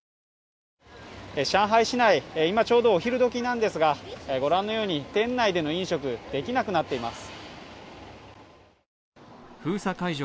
上海市内、今ちょうどお昼どきなんですが、ご覧のように店内での飲食、できなくなっています。